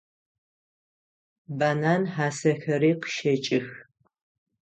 Банан хьасэхэри къыщэкӏых.